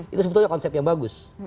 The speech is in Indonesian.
itu sebetulnya konsep yang bagus